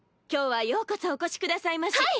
今日はようこそお越しくださいまし。